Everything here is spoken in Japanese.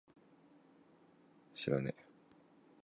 bhghcb